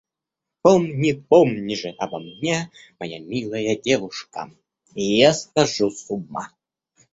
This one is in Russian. Помни, помни же обо мне, моя милая девушка: я схожу с ума.